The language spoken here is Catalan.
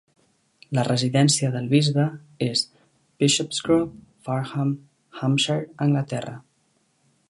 La residència del bisbe és Bishopsgrove, Fareham, Hampshire, Anglaterra.